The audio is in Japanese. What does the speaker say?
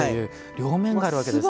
両面があるわけですか。